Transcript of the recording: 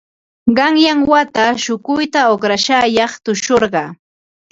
Qanyan wata shukuyta uqrashqayaq tushurqaa.